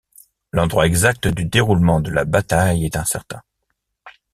L'endroit exact du déroulement de la bataille est incertain.